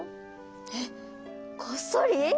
えっこっそり？